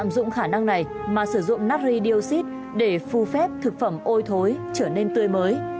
đạm dụng khả năng này mà sử dụng nari dioxide để phu phép thực phẩm ôi thối trở nên tươi mới